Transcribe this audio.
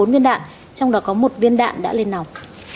bốn viên đạn trong đó có một viên đạn đã lên nòng